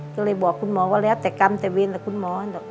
ก็เลยบอกคุณหมอก็แล้วแต่กรรมแต่เวรแต่คุณหมอ